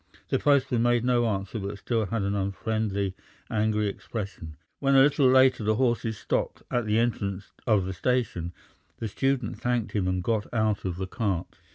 The postman made no answer but still had an unfriendly, angry expression. When, a little later, the horses stopped at the entrance of the station the student thanked him and got out of the cart.